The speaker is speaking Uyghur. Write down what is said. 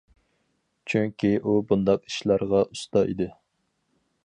چۈنكى ئۇ بۇنداق ئىشلارغا ئۇستا ئىدى.